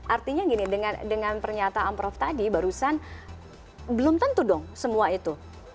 artinya gini dengan pernyataan prof tadi barusan belum tentu dong semua itu